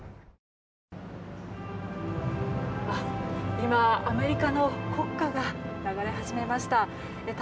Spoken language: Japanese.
今、アメリカの国歌が流れ始めました。